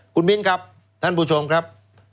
คุณมิ้นครับพบชมครับ